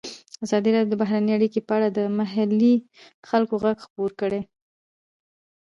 ازادي راډیو د بهرنۍ اړیکې په اړه د محلي خلکو غږ خپور کړی.